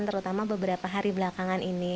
terutama beberapa hari belakangan ini